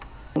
một ngón đâu